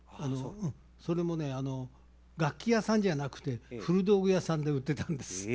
それもね楽器屋さんじゃなくて古道具屋さんで売ってたんです。